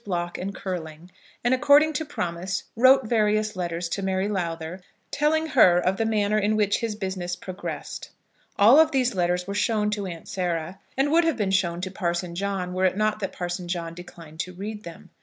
Block and Curling, and according to promise wrote various letters to Mary Lowther, telling her of the manner in which his business progressed. All of these letters were shown to Aunt Sarah, and would have been shown to Parson John were it not that Parson John declined to read them.